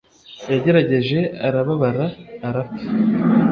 yagerageje arababara arapfa